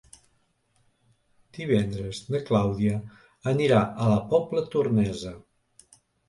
Divendres na Clàudia anirà a la Pobla Tornesa.